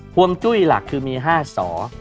วงจุ้ยหลักคือมี๕สอ